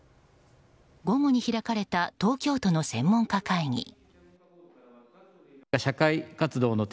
午後に開かれた東京都の専門家会議。